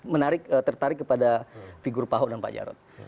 menarik tertarik kepada figur pak ahok dan pak jarod